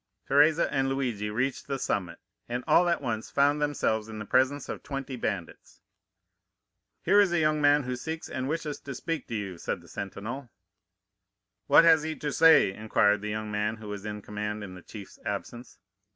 "Teresa and Luigi reached the summit, and all at once found themselves in the presence of twenty bandits. "'Here is a young man who seeks and wishes to speak to you,' said the sentinel. "'What has he to say?' inquired the young man who was in command in the chief's absence.